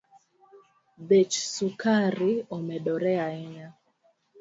Bech sukari omedore ahinya